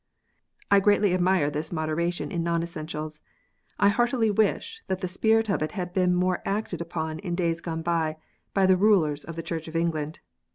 I greatly admire this moderation in non essentials. I heartily wish that the spirit of it had been more acted upon in days gone by, by the rulers of the Church of England.